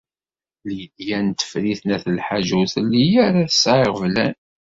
Lidya n Tifrit n At Lḥaǧ ur telli ara tesɛa iɣeblan.